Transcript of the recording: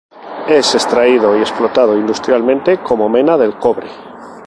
Es extraído y explotado industrialmente como mena del cobre.